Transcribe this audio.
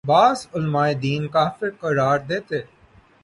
بعض علماے دین کافر قرار دیتے